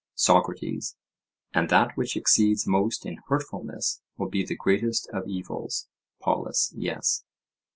SOCRATES: And that which exceeds most in hurtfulness will be the greatest of evils? POLUS: Yes.